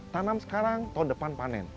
tanam sekarang tahun depan panen